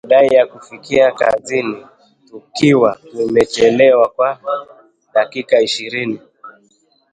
madai ya kufika kazini tukiwa tumechelewa kwa dakika ishirini